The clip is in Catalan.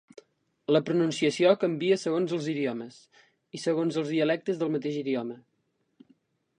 La pronunciació canvia segons els idiomes, i segons els dialectes del mateix idioma.